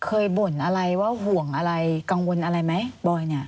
บ่นอะไรว่าห่วงอะไรกังวลอะไรไหมบอยเนี่ย